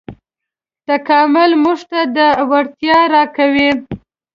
تکامل موږ ته دا وړتیا راکوي.